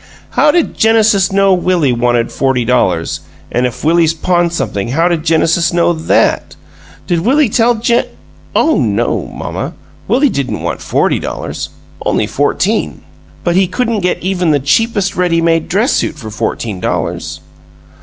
"How did Genesis know Willie wanted forty dollars, and if Willie's pawned something how did Genesis know THAT? Did Willie tell Gen " "Oh no, mamma, Willie didn't want forty dollars only fourteen!" "But he couldn't get even the cheapest readymade dress suit for fourteen dollars."